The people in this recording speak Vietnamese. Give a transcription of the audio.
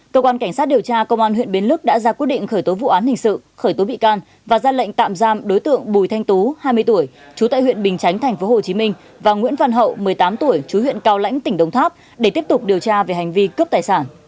cơ quan cảnh sát điều tra công an huyện bến lức đã ra quyết định khởi tố vụ án hình sự khởi tố bị can và ra lệnh tạm giam đối tượng bùi thanh tú hai mươi tuổi trú tại huyện bình chánh tp hcm và nguyễn văn hậu một mươi tám tuổi chú huyện cao lãnh tỉnh đồng tháp để tiếp tục điều tra về hành vi cướp tài sản